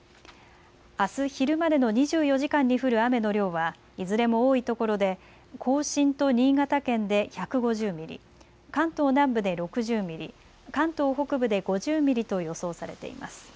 あす昼までの２４時間に降る雨の量はいずれも多いところで甲信と新潟県で１５０ミリ、関東南部で６０ミリ、関東北部で５０ミリと予想されています。